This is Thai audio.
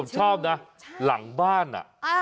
ชอบนะหลังบ้าน